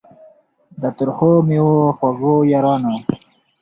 د ترخو میو خوږو یارانو